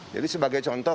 jadi sebagai contoh